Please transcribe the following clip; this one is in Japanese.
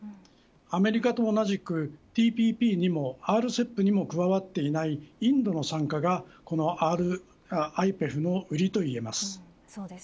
アメリカと同じくＴＰＰにもＲＣＥＰにも加わっていないインドの参加がＩＰＥＦの売りといえます。